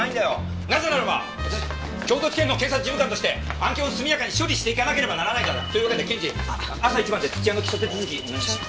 なぜならば京都地検の検察事務官として案件を速やかに処理していかなければならないからだ。というわけで検事朝一番で土屋の起訴手続きお願いします。